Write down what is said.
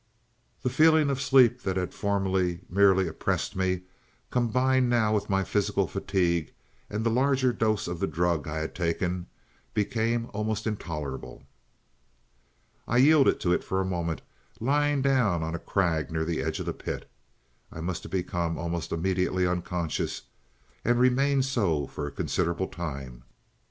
"The feeling of sleep that had formerly merely oppressed me, combined now with my physical fatigue and the larger dose of the drug I had taken, became almost intolerable. I yielded to it for a moment, lying down on a crag near the edge of the pit. I must have become almost immediately unconscious, and remained so for a considerable time.